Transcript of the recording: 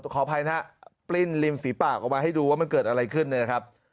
ขออภัยนะฮะปลิ้นริมฝีปากออกมาให้ดูว่ามันเกิดอะไรขึ้นเนี่ยนะครับ